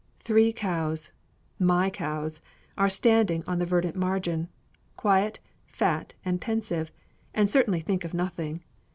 Three cows my cows are standing on the verdant margin, quiet, fat, and pensive, and certainly think of nothing.